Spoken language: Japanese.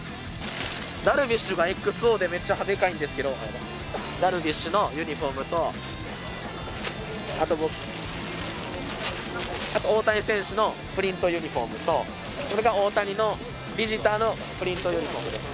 ダルビッシュがＸＯでめっちゃでかいんですけど、ダルビッシュのユニホームと、あと大谷選手のプリントユニホームと、これが大谷のビジターのプリントユニホームです。